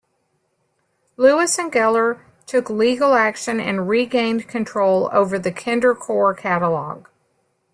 Lewis and Geller took legal action and regained control over the Kindercore catalog.